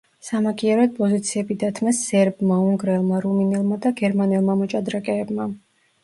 სამაგიეროდ პოზიციები დათმეს სერბმა, უნგრელმა, რუმინელმა და გერმანელმა მოჭადრაკეებმა.